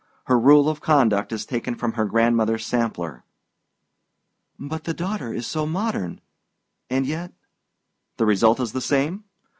Her rule of conduct is taken from her grandmother's sampler." "But the daughter is so modern and yet " "The result is the same?